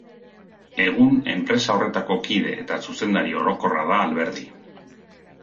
Egun enpresa horretako kide eta zuzendari orokorra da Alberdi.